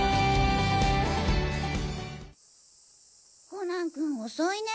コナン君遅いね。